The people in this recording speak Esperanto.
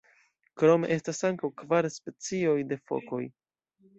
Krome estas ankaŭ kvar specioj de fokoj.